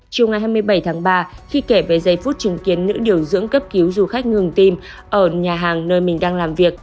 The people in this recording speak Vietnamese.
chiều ngày hai mươi bảy tháng ba khi kể về giây phút chứng kiến nữ điều dưỡng cấp cứu du khách ngừng tim ở nhà hàng nơi mình đang làm việc